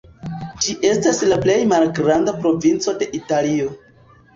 Ĝi estas la plej malgranda provinco de Italio.